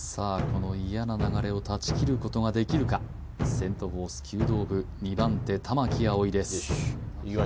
この嫌な流れを断ち切ることができるかセント・フォース弓道部２番手玉木碧です